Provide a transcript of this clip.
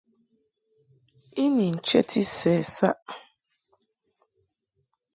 I ni nchəti sɛ saʼ.